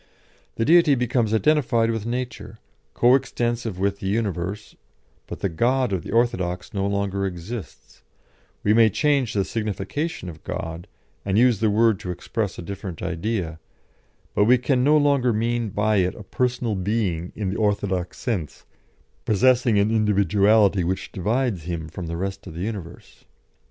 The Deity becomes identified with nature, co extensive with the universe, but the God of the orthodox no longer exists; we may change the signification of God, and use the word to express a different idea, but we can no longer mean by it a Personal Being in the orthodox sense, possessing an individuality which divides Him from the rest of the universe."